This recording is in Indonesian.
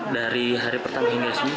dari hari pertama hingga senin